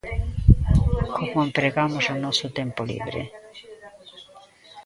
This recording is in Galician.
Como empregamos o noso tempo libre?